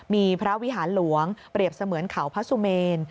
มีพระวิหารหลวงเปรียบเสมือนเขาพระสุเมน